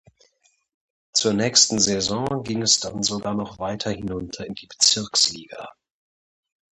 Zur nächsten Saison ging es dann sogar noch weiter hinunter in die Bezirksliga.